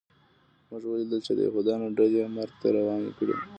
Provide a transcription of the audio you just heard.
موږ ولیدل چې د یهودانو ډلې یې مرګ ته روانې کړې